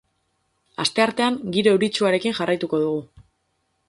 Asteartean giro euritsuarekin jarraituko dugu.